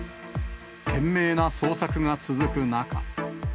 懸命な捜索が続く中。